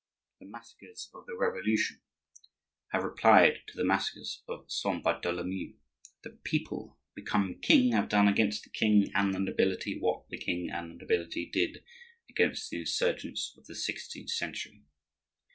The massacres of the Revolution have replied to the massacres of Saint Bartholomew. The people, become king, have done against the king and the nobility what the king and the nobility did against the insurgents of the sixteenth century.